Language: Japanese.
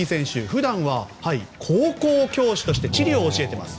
普段は高校教師として地理を教えています。